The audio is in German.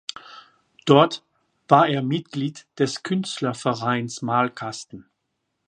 Dort war er Mitglied des Künstlervereins "Malkasten".